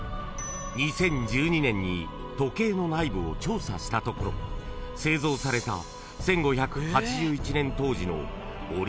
［２０１２年に時計の内部を調査したところ製造された１５８１年当時のオリジナルの部品が］